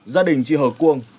gia đình chị hờ cuông